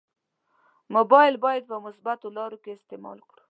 مبایل باید په مثبتو لارو کې استعمال کړو.